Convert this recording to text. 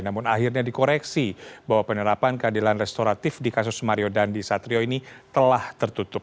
namun akhirnya dikoreksi bahwa penerapan keadilan restoratif di kasus mario dandi satrio ini telah tertutup